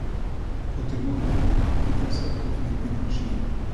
O termógrafo utilízase en meteoroloxía.